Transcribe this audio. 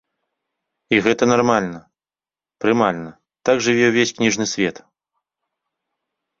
І гэта нармальна, прымальна, так жыве ўвесь кніжны свет.